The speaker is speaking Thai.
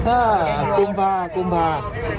ถ้ากุมภากุมภา